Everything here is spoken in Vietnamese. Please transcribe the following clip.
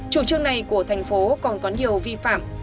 chủ trương này của thành phố còn có nhiều vi phạm